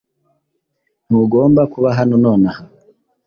Ntugomba kuba hano nonaha